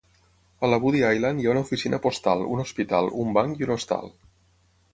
A la Woody Island hi ha una oficina postal, un hospital, un banc i un hostal.